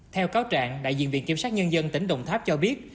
theo cáo trạng đại diện viện kiểm sát nhân dân tỉnh đồng tháp cho biết